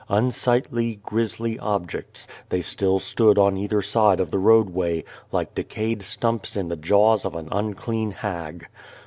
Unsightly, grisly objects, they still stood on either side of the roadway, like decayed stumps in the jaws of an unclean hag.